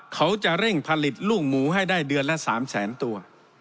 เขาจะเร่งผลิตลูกหมูให้ได้เดือนละ๓แสนตัว